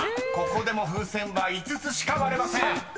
ここでも風船は５つしか割れません］